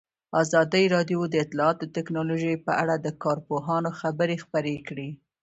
ازادي راډیو د اطلاعاتی تکنالوژي په اړه د کارپوهانو خبرې خپرې کړي.